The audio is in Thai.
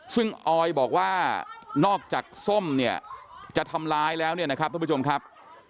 ซึ่งออยบอกว่านอกจากส้มเนี่ยจะทำร้ายแล้วเนี่ยนะครับท่านผู้ชมครับ